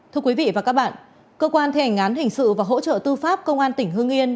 thưa quý vị và các bạn cơ quan thi hành án hình sự và hỗ trợ tư pháp công an tỉnh hương yên